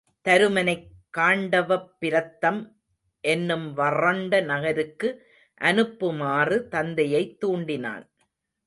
தருமனைக் காண்டவப் பிரத்தம் என்னும் வறண்ட நகருக்கு அனுப்புமாறு தந்தையைத் துண்டினான்.